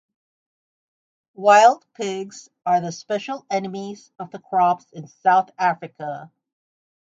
Wild pigs are the special enemies of the crops in South Africa.